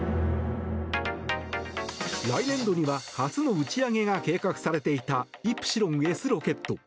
来年度には初の打ち上げが計画されていたイプシロンＳロケット。